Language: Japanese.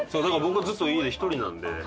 だから僕はずっと家で１人なんで。